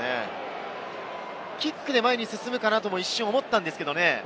キックで前に進むかなと一瞬思ったんですけれどもね。